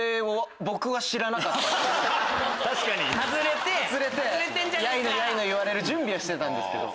外れてやいのやいの言われる準備はしてたんですけど。